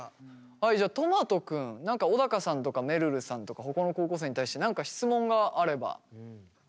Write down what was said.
はいじゃあとまと君何か小高さんとかめるるさんとかほかの高校生に対して何か質問があれば。